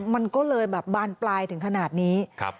มันก็เลยแบบบานปลายถึงขนาดนี้